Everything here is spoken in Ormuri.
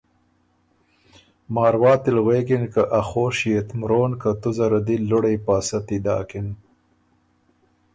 ماواتی ل غوېکِن که ”ا خوشيې ت مرون که تُو زره دی لُوړئ پاسَتي داکِن“